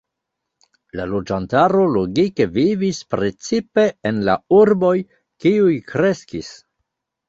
La loĝantaro logike vivis precipe en la urboj, kiuj kreskis.